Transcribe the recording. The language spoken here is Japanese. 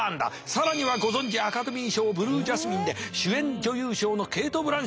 更にはご存じアカデミー賞「ブルージャスミン」で主演女優賞のケイト・ブランシェット。